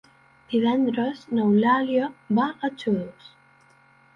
Divendres n'Eulàlia va a Xodos.